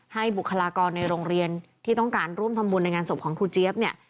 บุคลากรในโรงเรียนที่ต้องการร่วมทำบุญในงานศพของครูเจี๊ยบเนี่ย